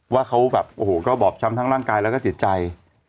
ว่าเขาแบบโอ้โหก็บอบช้ำทั้งร่างกายแล้วก็จิตใจ